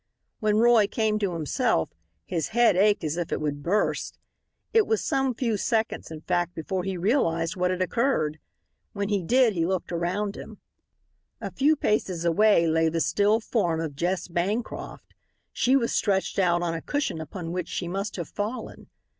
When Roy came to himself his head ached as if it would burst. It was some few seconds, in fact, before he realized what had occurred. When he did he looked about him. A few paces away lay the still form of Jess Bancroft. She was stretched out on a cushion upon which she must have fallen.